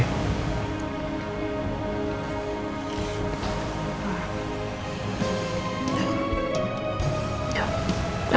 mama tenang ya